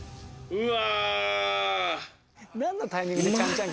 うわ。